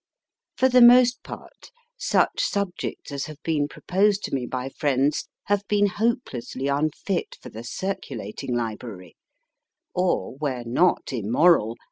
For the most part, such subjects as have been proposed to me by friends have been hopeless!} unfit for the circulating li brary ; or, where not immoral